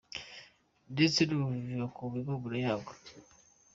Ndetse n’ubuvivi bakumva impumuro yarwo !.